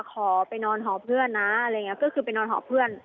ขอไปนอนหอเพื่อนนะอะไรอย่างนี้ก็คือไปนอนหอเพื่อน